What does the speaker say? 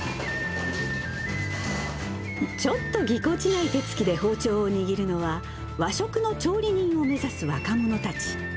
ちょっとぎこちない手つきで包丁を握るのは、和食の調理人を目指す若者たち。